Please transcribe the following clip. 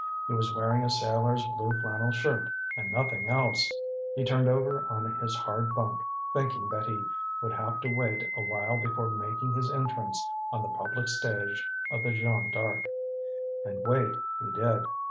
He was wearing a sailor's blue flannel shirt and nothing else. He turned over on his hard bunk, thinking that he would have to wait a while before making his entrance on the public stage of the Jeanne D'Arc. And wait he did.